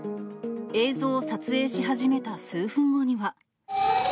映像を撮影し始めた数分後には。